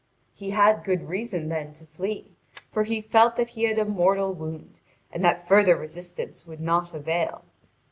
He had good reason then to flee, for he felt that he had a mortal wound, and that further resistance would not avail.